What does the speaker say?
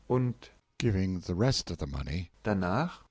Und (giving the rest of the money) darnach?